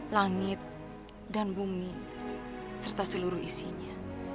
langit dan bumi serta seluruh isinya